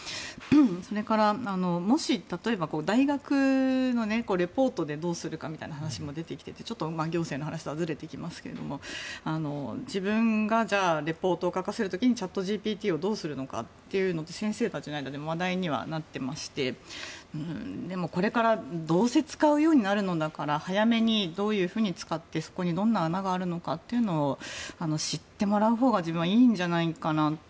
それから、もし例えば大学のリポートでどうするかという話も出てきていて行政の話とはずれてきますが自分がリポートを書かせる時にチャットＧＰＴをどうするのかって先生たちの間で話題にはなっていましてでも、これからどうせ使うようになるのだから早めにどういうふうに使ってそこにどんな穴があるのかを知ってもらうほうが自分は、いいんじゃないかなと。